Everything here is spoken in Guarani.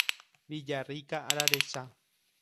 Villarrica ararecha.